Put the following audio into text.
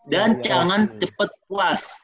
dan jangan cepet puas